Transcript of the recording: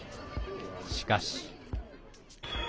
しかし。